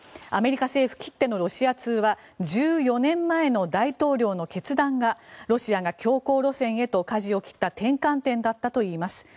アメリカ政府きってのロシア通は１４年前の大統領の決断がロシアが強硬路線へとかじを切った転換点だったと言います。